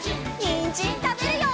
にんじんたべるよ！